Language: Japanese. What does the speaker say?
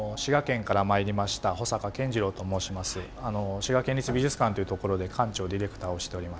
滋賀県立美術館というところで館長ディレクターをしております。